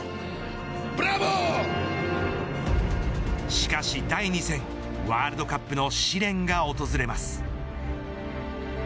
しかし、第２戦ワールドカップの試練が訪れます。